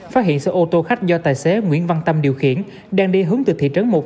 phát hiện xe ô tô khách do tài xế nguyễn văn tâm điều khiển đang đi hướng từ thị trấn một